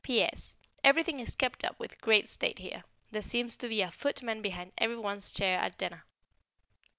P.S. Everything is kept up with great state here; there seems to be a footman behind every one's chair at dinner.